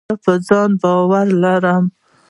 زه په ځان باور لرم.